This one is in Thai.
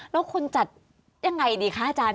แล้วคุณจัดยังไงดีคะอาจารย์